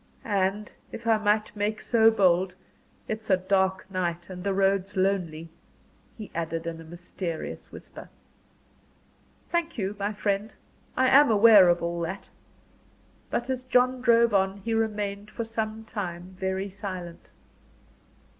"And if I might make so bold it's a dark night and the road's lonely " he added, in a mysterious whisper. "Thank you, my friend. I am aware of all that." But as John drove on, he remained for some time very silent.